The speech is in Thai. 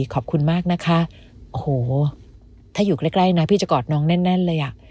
ขอบคุณมากนะคะโอ้โหถ้าอยู่ใกล้นะพี่จะกอดน้องแน่นเลยอ่ะ